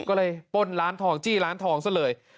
ก็เลยป้นร้านทองจี้ร้านทองซะเลย